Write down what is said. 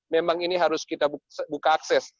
memang ini harus kita buka akses